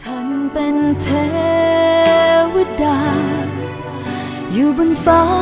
อัลเมริกา